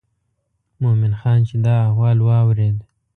مومن خان چې دا احوال واورېد.